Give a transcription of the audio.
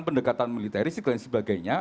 pendekatan militeris dan sebagainya